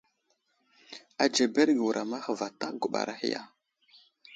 Anzeberge wuram ahe vatak guɓar ahe ya ?